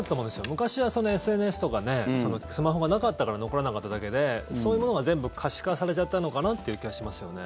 昔はそのＳＮＳとかスマホがなかったから残らなかっただけでそういうものが全部可視化されちゃったのかなっていう気はしますよね。